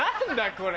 これ。